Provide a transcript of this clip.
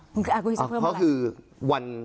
กูอยากจะเพิ่มอะไร